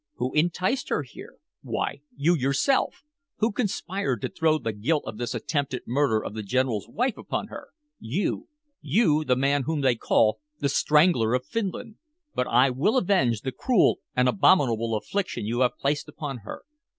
"Who enticed her here? Why you, yourself. Who conspired to throw the guilt of this attempted murder of the general's wife upon her? You you, the man whom they call 'The Strangler of Finland'! But I will avenge the cruel and abominable affliction you have placed upon her.